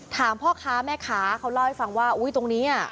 พ่อค้าแม่ค้าเขาเล่าให้ฟังว่าอุ้ยตรงนี้